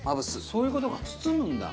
そういう事か包むんだ！